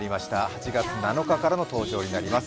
８月７日からの登場になります。